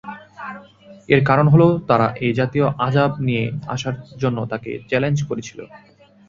এর কারণ হল, তারা এ জাতীয় আযাব নিয়ে আসার জন্য তাঁকে চ্যালেঞ্জ করেছিল।